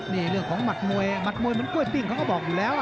นี่เรื่องของหมัดมวยหมัดมวยเหมือนกล้วยติ้งเขาก็บอกอยู่แล้ว